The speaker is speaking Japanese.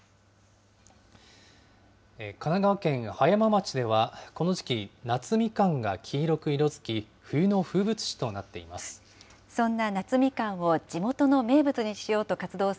神奈川県葉山町では、この時期、夏みかんが黄色く色づき、冬の風物詩となっています。